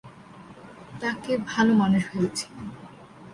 তাকে ভালো মানুষ ভেবেছিলাম।